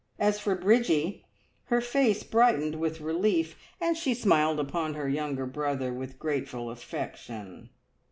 As for Bridgie, her face brightened with relief, and she smiled upon her younger brother with grateful affection.